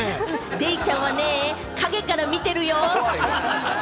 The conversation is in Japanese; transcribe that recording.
デイちゃんは陰から見てるよ。